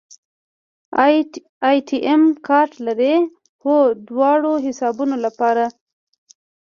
اے ټي ایم کارت لرئ؟ هو، دواړو حسابونو لپاره